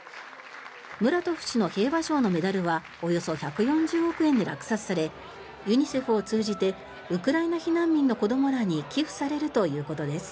ムラトフ氏の平和賞のメダルはおよそ１４０億円で落札されユニセフを通じてウクライナ避難民の子どもらに寄付されるということです。